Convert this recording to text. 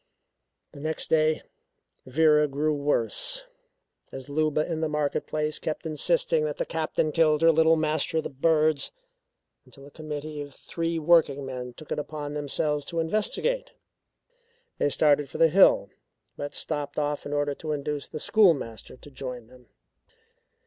The next day Vera grew worse, as Luba in the market place kept insisting that the Captain killed her Little Master of the Birds; until a committee of three working men took it upon themselves to investigate. They started for the hill, but stopped off in order to induce the schoolmaster to join them.